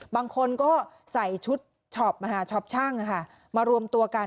บางคนก็ใส่ชุดช็อปช็อปช่างมารวมตัวกัน